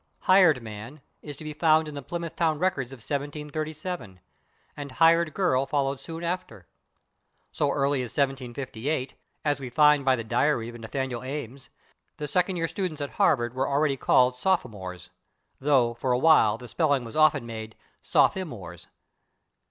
/Hired man/ is to be found in the Plymouth town records of 1737, and /hired girl/ followed soon after. So early as 1758, as we find by the diary of Nathaniel Ames, the second year students at Harvard were already called /sophomores/, though for a while the spelling was often made /sophimores